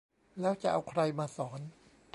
แล้วจะเอาใครมาสอน ?